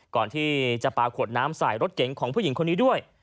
ก่อนที่จะปลาขวดน้ำใส่รถเก๋งของผู้หญิงคนนี้ด้วย